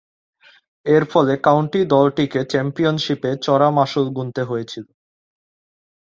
এরফলে কাউন্টি দলটিকে চ্যাম্পিয়নশীপে চড়া মাশুল গুণতে হয়েছিল।